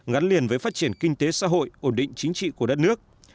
gắn liền với phát triển kinh tế xã hội ổn định chính trị của đất nước